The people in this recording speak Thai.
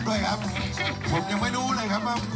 ขอบคุณครับ